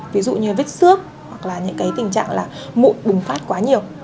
ví dụ như vết xước hoặc là những cái tình trạng là mụn bùng phát quá nhiều